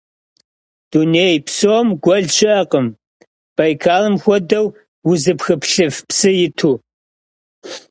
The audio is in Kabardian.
Dunêy psom guel şı'ekhım Baykalım xuedeu vuzıpxıplhıf psı yitu.